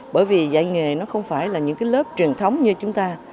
bởi vì dạy nghề nó không phải là những cái tổ chức của người khuyết tật